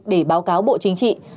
để báo cáo bộ chính trị